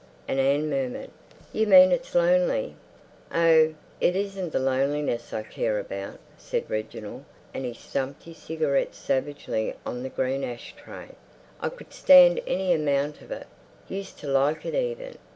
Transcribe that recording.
And Anne murmured, "You mean it's lonely." "Oh, it isn't the loneliness I care about," said Reginald, and he stumped his cigarette savagely on the green ash tray. "I could stand any amount of it, used to like it even.